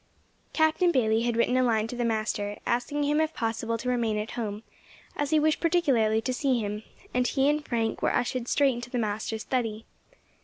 Captain Bayley had written a line to the master, asking him if possible to remain at home, as he wished particularly to see him, and he and Frank were ushered straight into the master's study.